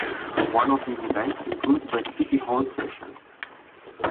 One of these events includes the City Hall Session.